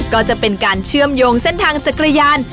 ก็จะเป็นการเชื่อมโยงเส้นทางจักรยาน